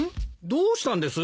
どうしたんです？